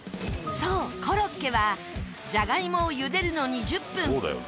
そうコロッケはじゃがいもを茹でるのに１０分。